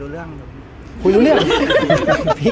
เราก็เรื่อยครับพี่